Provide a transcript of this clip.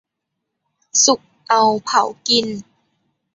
สุกเอาเผากิน